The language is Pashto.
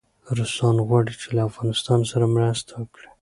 روسان غواړي چي له افغانستان سره مرسته وکړي.